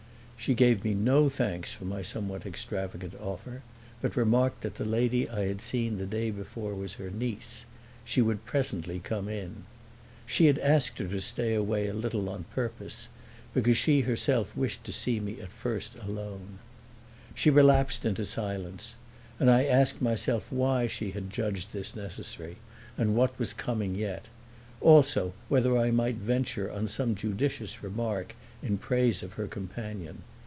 She gave me no thanks for my somewhat extravagant offer but remarked that the lady I had seen the day before was her niece; she would presently come in. She had asked her to stay away a little on purpose, because she herself wished to see me at first alone. She relapsed into silence, and I asked myself why she had judged this necessary and what was coming yet; also whether I might venture on some judicious remark in praise of her companion.